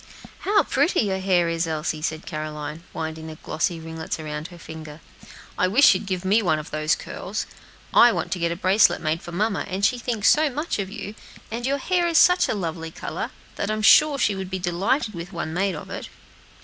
"How pretty your hair is, Elsie," said Caroline, winding the glossy ringlets around her finger. "I wish you'd give me one of these curls. I want to get a bracelet made for mamma, and she thinks so much of you, and your hair is such a lovely color, that I am sure she would be delighted with one made of it."